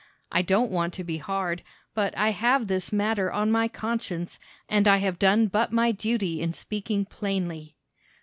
I don't want to be hard, but I have this matter on my conscience, and I have done but my duty in speaking plainly."